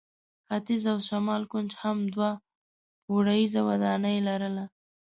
ختیځ او شمال کونج هم دوه پوړیزه ودانۍ لرله.